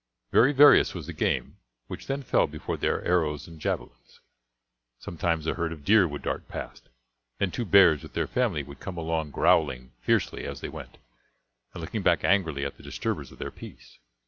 Very various was the game which then fell before their arrows and javelins. Sometimes a herd of deer would dart past, then two bears with their family would come along growling fiercely as they went, and looking back angrily at the disturbers of their peace.